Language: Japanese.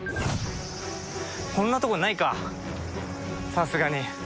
こんなとこにないかさすがに。